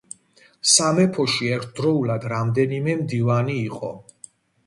სამეფოში ერთდროულად რამდენიმე მდივანი იყო.